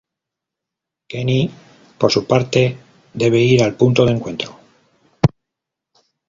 Kenny, por su parte, debe ir al punto de encuentro.